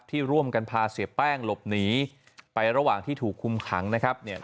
ที่ร่วมกันพาเสียแป้งหลบหนีไประหว่างที่ถูกคุมขังนะครับเนี่ย